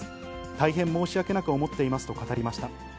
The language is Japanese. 大変申し訳なく思っていますと語りました。